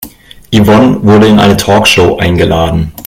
Yvonne wurde in eine Talkshow eingeladen.